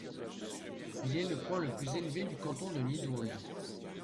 Il est le point le plus élevé du canton de Nidwald.